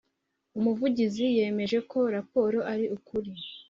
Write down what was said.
umuvugizi yemeje ko raporo ari ukuri